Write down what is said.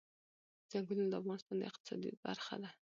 ځنګلونه د افغانستان د اقتصاد برخه ده.